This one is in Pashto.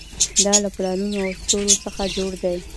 دا له پلانونو او دستورونو څخه جوړ دی.